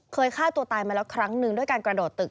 ฆ่าตัวตายมาแล้วครั้งหนึ่งด้วยการกระโดดตึก